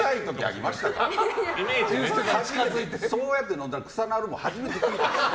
そうやって飲んだら臭くなるも初めて聞いたから。